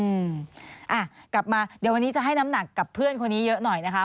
อืมอ่ะกลับมาเดี๋ยววันนี้จะให้น้ำหนักกับเพื่อนคนนี้เยอะหน่อยนะคะ